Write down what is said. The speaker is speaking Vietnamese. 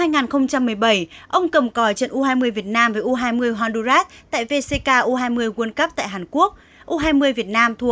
năm hai nghìn một mươi bảy ông cầm còi trận u hai mươi việt nam với u hai mươi honduras tại vck u hai mươi world cup tại hàn quốc u hai mươi việt nam thu